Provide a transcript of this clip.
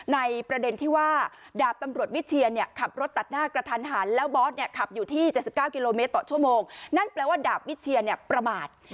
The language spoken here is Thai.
นั่นแปลว่าดาบวิทยาเนี่ยปรมาตย์